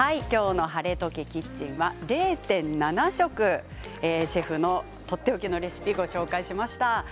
きょうの「ハレトケキッチン」は０．７食シェフのとっておきのレシピをご紹介しました。